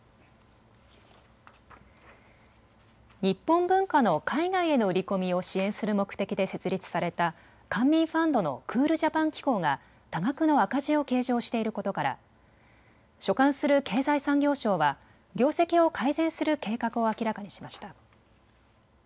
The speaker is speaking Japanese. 日本文化の海外への売り込みを支援する目的で設立された官民ファンドのクールジャパン機構が多額の赤字を計上していることから所管する経済産業省は業績を改善する計画を明らかにしました。